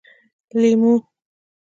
🍋 لېمو